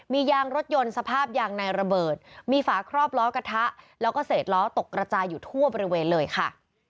มียางรถยนต์สภาพยางในระเบิดมีฝาครอบล้อกระทะแล้วก็เศษล้อตกกระจายอยู่ทั่วบริเวณเลยค่ะ